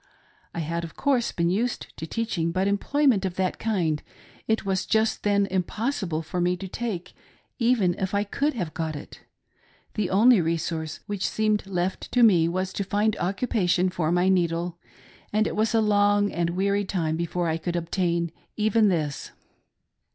I had, of course, been used to teaching, but employment of that kind it was just then impossible for me to take, even if I could haye got it ; the only resource which seemed left to me was to find occupation for my needle, and it was a long and weary time before I could obtain even this.